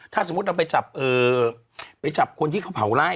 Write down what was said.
ถ้าเมื่อเราไปจับกิชนสะพะหลัง